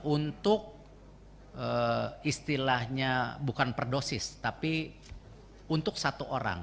untuk istilahnya bukan per dosis tapi untuk satu orang